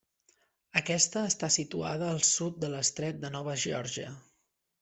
Aquesta està situada al sud de l'Estret de Nova Geòrgia.